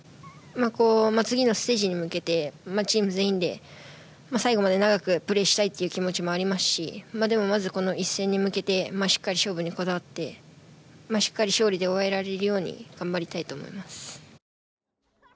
次のステージに向けてチーム全員で最後まで長くプレーしたいっていう気持ちもありますしでも、まずこの一戦に向けてしっかり勝負にこだわってしっかり勝利で終えられるように頑張りたいと思います。